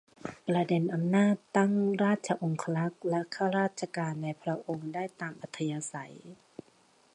ประเด็นอำนาจตั้งราชองครักษ์และข้าราชการในพระองค์ได้ตามอัธยาศัย